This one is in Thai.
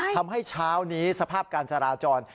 เช้านี้สภาพการจราจร